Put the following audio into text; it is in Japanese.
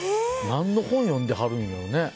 何の本、読んではるんだろうね。